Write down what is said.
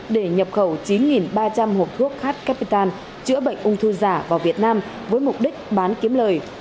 để nhập khẩu chín ba trăm linh hộp thuốc h capital chữa bệnh ung thư giả vào việt nam với mục đích bán kiếm lời